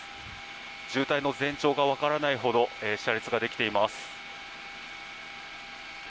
渋滞の全長が分からないほど車列ができています。